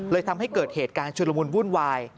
ทำให้เกิดเหตุการณ์ชุลมุนวุ่นวาย